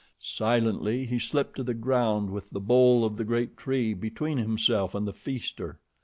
Silently he slipped to the ground with the bole of the great tree between himself and the feaster.